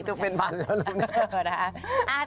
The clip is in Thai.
จะเป็นพันแล้วนะ